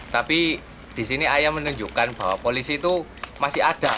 tapi di sini ayah menunjukkan bahwa polisi itu masih ada